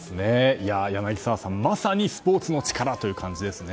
柳澤さん、まさにスポーツの力という感じですね。